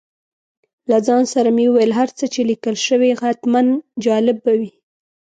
له ځان سره مې وویل هر څه چې لیکل شوي حتماً جالب به وي.